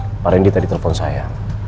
iya mbak pak rendy tadi telpon saya